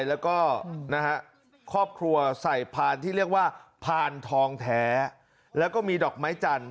แล้วก็นะฮะครอบครัวใส่พานที่เรียกว่าพานทองแท้แล้วก็มีดอกไม้จันทร์